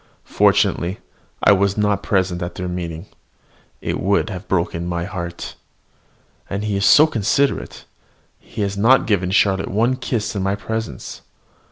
Fortunately I was not present at their meeting. It would have broken my heart! And he is so considerate: he has not given Charlotte one kiss in my presence.